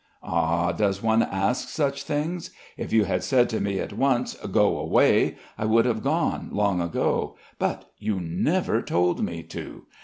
"Ah, does one ask such things? If you had said to me at once 'Go away,' I would have gone long ago, but you never told me to.